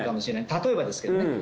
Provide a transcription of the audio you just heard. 例えばですけどね。